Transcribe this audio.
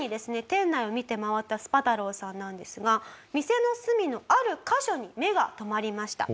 店内を見て回ったスパ太郎さんなんですが店の隅のある箇所に目が留まりました。